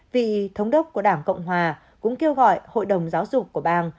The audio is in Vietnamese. vị thống đốc của đảng cộng hòa cũng kêu gọi hội đồng giáo dục của bang